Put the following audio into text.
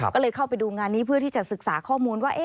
ก็เลยเข้าไปดูงานนี้เพื่อที่จะศึกษาข้อมูลว่า